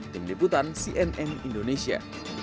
tim diputan cnn indonesia